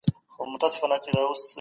هغه په کمپيوټر کي راپور جوړوي.